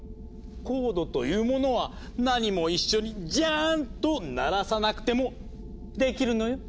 コードというものはなにも一緒に「ジャーン」と鳴らさなくてもできるのよ。